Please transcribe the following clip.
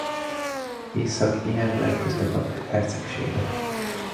Észak-Ynev leggazdagabb hercegsége.